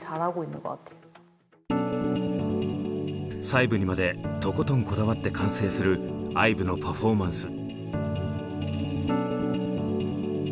細部にまでとことんこだわって完成するＩＶＥのパフォーマンス。